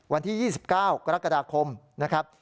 วันที่๒๙กรกฎาคมนะครับ